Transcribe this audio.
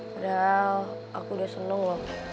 padahal aku udah seneng